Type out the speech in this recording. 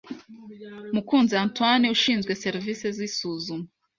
Mukunzi Antoine ushinzwe serivisi z’isuzuma